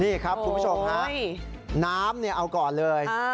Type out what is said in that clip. นี่ครับคุณผู้ชมฮะน้ำเอาก่อนเลย